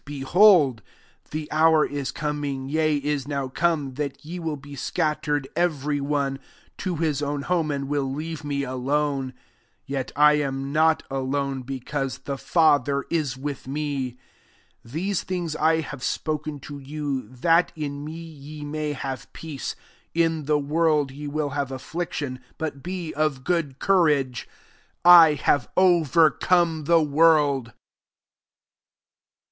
32 Behold, the hour is coming, yea, is [now'] come, that ye will be scattered every one to his own home, and will leave me alone: and yet I am not alone, because the Father is with me. 33 These things I have spoken to you, that in me ye may have peace. In the world ye will have afflic tion : but be of good courage; I have overcome the world.